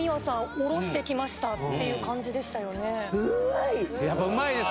降ろしてきましたっていう感じでしたよね。